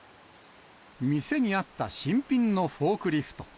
店にあった新品のフォークリフト。